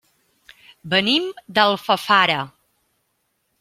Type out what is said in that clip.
Venim d'Alfafara.